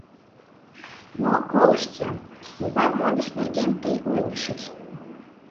Но колышт-ян, могай модыш нерген тый ойлышыч?